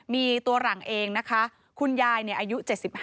มีตัวหลังเองนะคะคุณยายอายุ๗๕